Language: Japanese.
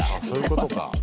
そういうことか。